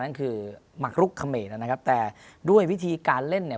นั่นคือหมักลุกเขมรนะครับแต่ด้วยวิธีการเล่นเนี่ย